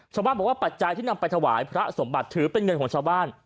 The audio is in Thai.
ชาวบ้านบอกว่าปัจจัยที่นำไปถวายพระสมบัติถือเป็นเงินของชาวบ้าน